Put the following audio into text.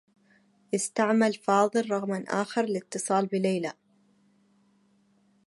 استعمل فاضل رقما آخر لاتّصال بليلى.